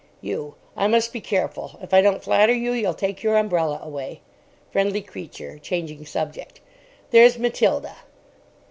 YOU. I must be careful. If I don't flatter you, you'll take your umbrella away. FRIENDLY CREATURE (changing subject). There's Matilda.